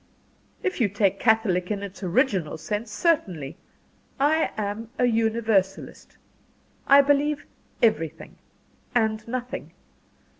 "If you take Catholic in its original sense, certainly. I am a Universalist. I believe everything and nothing.